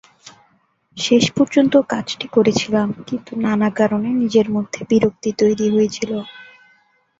শেষ পর্যন্ত কাজটি করেছিলাম, কিন্তু নানা কারণে নিজের মধ্যে বিরক্তি তৈরি হয়েছিল।